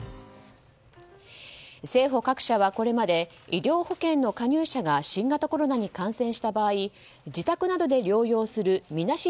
生保各社はこれまで医療保険の加入者が新型コロナに感染した場合自宅などで療養するみなし